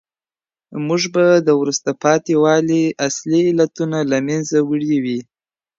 موږ به د وروسته پاته والي اصلي علتونه له منځه وړي وي.